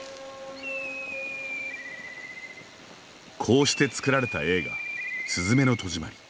こうして作られた映画「すずめの戸締まり」。